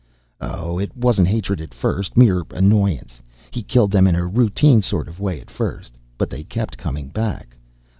Oh, it wasn't hatred, at first. Mere annoyance. He killed them in a routine sort of way at first. But they kept coming back.